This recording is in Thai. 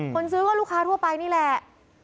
คนซื้อก็ลูกค้าทั่วไปนี่แหละ